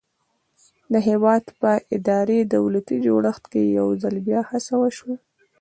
د هېواد په اداري دولتي جوړښت کې یو ځل بیا هڅه وشوه.